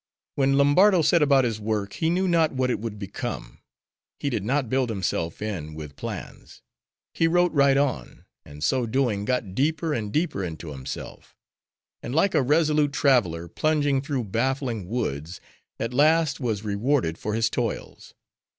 When Lombardo set about his work, he knew not what it would become. He did not build himself in with plans; he wrote right on; and so doing, got deeper and deeper into himself; and like a resolute traveler, plunging through baffling woods, at last was rewarded for his toils.